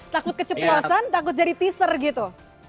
takut keceplosan takut jadi teaser gitu